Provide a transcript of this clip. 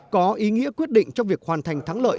có ý nghĩa quyết định trong việc hoàn thành thắng lợi